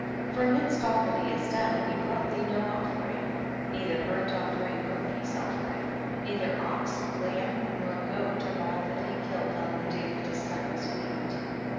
52. For amidst all that he has done he brought thee no offering ; neither burnt offering nor peace otfering, nei ther ox, lamb nor goat of all that he killed on the day that his son was weaned.